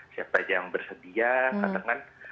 siapa yang bersedia katakan